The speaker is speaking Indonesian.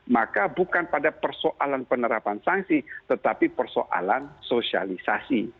maka bukan pada persoalan penerapan sanksi tetapi persoalan sosialisasi